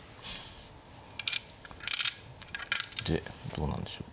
でどうなんでしょう。